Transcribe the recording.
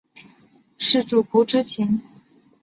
是主仆之情？